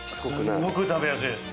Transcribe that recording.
すごく食べやすいです。